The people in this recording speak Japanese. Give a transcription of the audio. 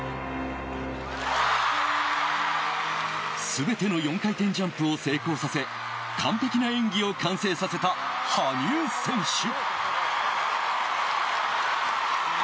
全ての４回転ジャンプを成功させ完璧な演技を完成させた羽生選手。